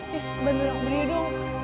riz bantu dong beri dong